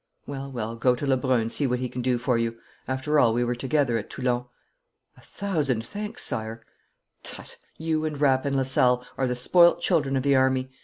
'Well, well, go to Lebrun and see what he can do for you. After all, we were together at Toulon.' 'A thousand thanks, sire.' 'Tut! You and Rapp and Lasalle are the spoiled children of the army.